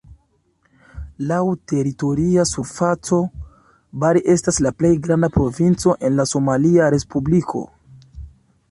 Laŭ teritoria surfaco, Bari estas la plej granda provinco en la somalia respubliko.